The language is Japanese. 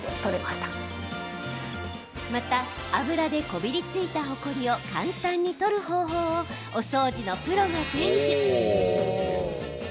また、油でこびりついたほこりを簡単に取る方法をお掃除のプロが伝授。